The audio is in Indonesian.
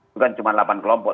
bukan cuma delapan kelompok